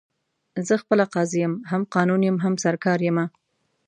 زه خپله قاضي یم، هم قانون یم، هم سرکار یمه